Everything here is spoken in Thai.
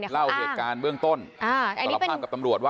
นายภูมิใจเล่าเหตุการณ์เบื้องต้นตลอดภาพกับตำรวจว่า